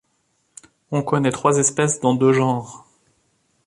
On connaît trois espèces dans deux genres.